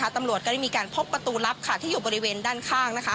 ตำรวจก็ได้มีการพบประตูลับที่อยู่บริเวณด้านข้าง